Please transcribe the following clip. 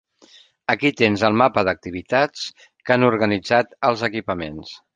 Aquí tens el mapa d'activitats que han organitzat els equipaments.